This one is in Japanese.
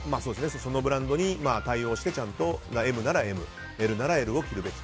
そのブランドに対応してちゃんとＭならＭＬならＬを着るべき。